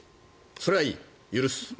それはいい、許す。